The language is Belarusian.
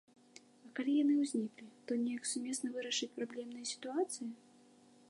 А калі яны ўзніклі, то неяк сумесна вырашыць праблемныя сітуацыі?